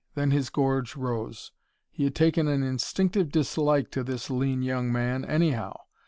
Then his gorge rose. He had taken an instinctive dislike to this lean young man, anyhow.